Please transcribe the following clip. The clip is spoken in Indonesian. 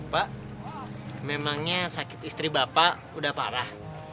pak memangnya sakit istri bapak udah parah